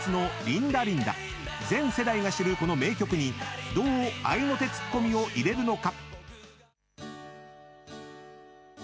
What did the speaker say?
［全世代が知るこの名曲にどう合いの手ツッコミを入れるのか？］